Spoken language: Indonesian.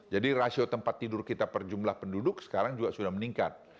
jadi rasio tempat tidur kita per jumlah penduduk sekarang juga sudah meningkat